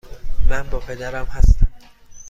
من با پدرم هستم.